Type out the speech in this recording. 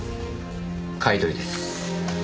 買い取りです。